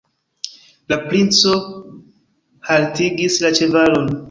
La princo haltigis la ĉevalon.